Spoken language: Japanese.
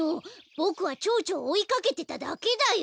ボクはチョウチョをおいかけてただけだよ。